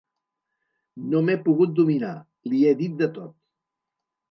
No m'he pogut dominar: li he dit de tot!